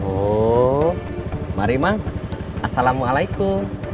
oh mari mak assalamualaikum